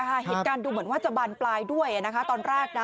เหตุการณ์ดูเหมือนว่าจะบานปลายด้วยนะคะตอนแรกนะ